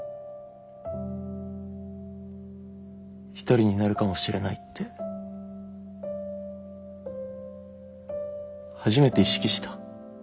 １人になるかもしれないって初めて意識した。